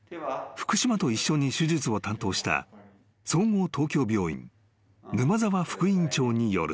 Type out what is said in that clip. ［福島と一緒に手術を担当した総合東京病院沼澤副院長によると］